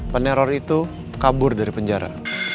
peneror itu kabur dari penjara